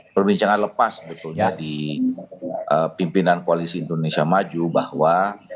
perbincangan lepas sebetulnya di pimpinan koalisi indonesia maju bahwa